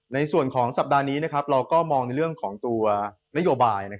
ในส่วนของสัปดาห์นี้เราก็มองในเรื่องของตัวนโยบาย